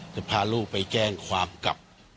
จะพาลูกไปแจ้งความกับ